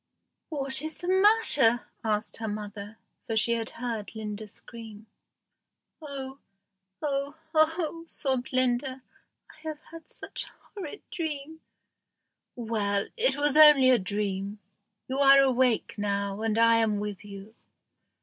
"What is the matter?" asked her mother, for she had heard Linda scream. "Oh! oh! oh!" sobbed Linda, "I have had such a horrid dream." "Well, it was only a dream. You are awake now, and I am with you."